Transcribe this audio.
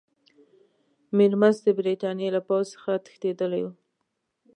میرمست د برټانیې له پوځ څخه تښتېدلی وو.